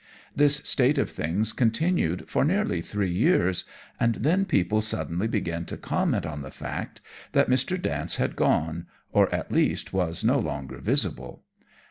This state of things continued for nearly three years, and then people suddenly began to comment on the fact that Mr. Dance had gone, or at least was no longer visible.